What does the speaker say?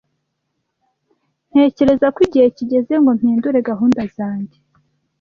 Ntekereza ko igihe kigeze ngo mpindure gahunda zanjye.